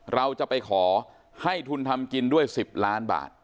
เราจะไปขอให้ทุนทำกินด้วย๑๐ล้านบาท